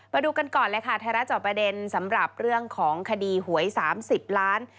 มาดูกันก่อนเลยค่ะไทยรัฐจอบประเด็นสำหรับเรื่องของคดีหวย๓๐ล้าน